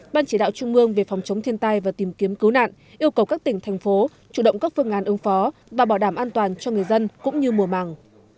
ban chỉ đạo trung mương về phòng chống thiên tai và tìm kiếm cứu nạn yêu cầu các tỉnh thành phố chủ động các phương án ứng phó và bảo đảm an toàn cho người dân cũng như mùa màng